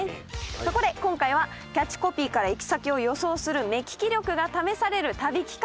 そこで今回はキャッチコピーから行き先を予想する目利き力が試される旅企画。